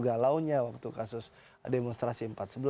galaunya waktu kasus demonstrasi empat sebelas dua satu dua